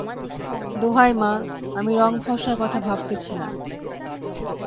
দোহাই মা, আমি রঙ ফর্সার কথা ভাবিতেছি না।